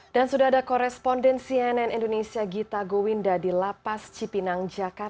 dan sudah ada koresponden cnn indonesia gita gowang